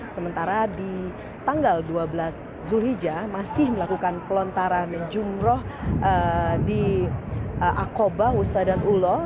sementara di tanggal dua belas zulhijjah masih melakukan pelontaran jumroh di akobah hustadan ullah